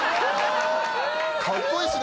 かっこいいっすね